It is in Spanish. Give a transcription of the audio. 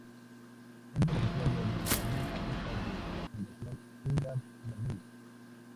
Es beneficiario de una beca de la Fundación Ingram Merrill.